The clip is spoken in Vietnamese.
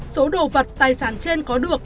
số đồ vật tài sản trên có được